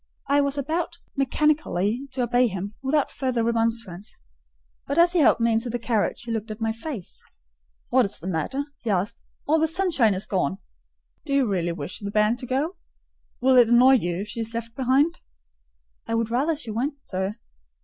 I was about mechanically to obey him, without further remonstrance; but as he helped me into the carriage, he looked at my face. "What is the matter?" he asked; "all the sunshine is gone. Do you really wish the bairn to go? Will it annoy you if she is left behind?" "I would far rather she went, sir."